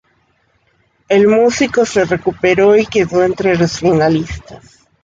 El músico se recuperó y quedó entre los finalistas.